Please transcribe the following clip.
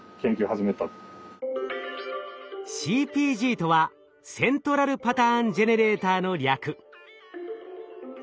とはセントラルパターンジェネレーターの略。